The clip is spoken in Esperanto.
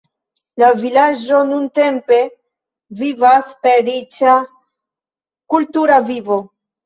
La vilaĝo nuntempe vivas per riĉa kultura vivo.